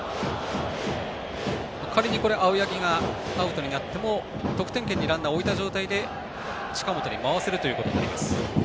仮に青柳がアウトになっても得点圏にランナーを置いた状態で近本に回せるということになります。